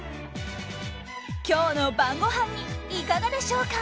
今日の晩ごはんにいかがでしょうか？